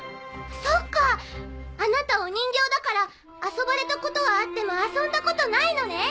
そっかあなたお人形だから遊ばれたことはあっても遊んだことないのね。